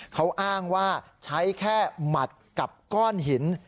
เขาอ้างว่าใช้แค่หมัดกับก้อนหิน